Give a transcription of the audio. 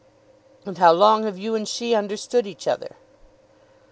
"And how long have you and she understood each other?"